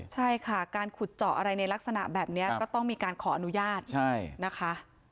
ใช่ค่ะการขุดเจาะอะไรในลักษณะแบบนี้ก็ต้องมีการขออนุญาตนะคะ